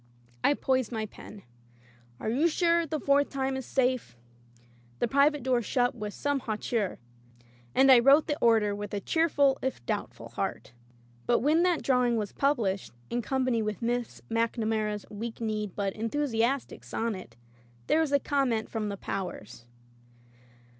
'' I poised my pen. "You're sure the fourth time is safe?" The "Private" door shut with some hau teur. And I wrote the order with a cheerful if doubtful heart. But when that drawing was published, in company with Miss MacNamara's weak kneed but enthusiastic sonnet, there was conunent from the Powers.